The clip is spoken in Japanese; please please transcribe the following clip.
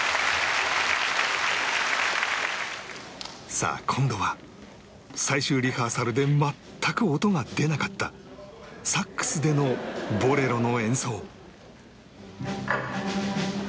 さあ今度は最終リハーサルで全く音が出なかったサックスでの『ボレロ』の演奏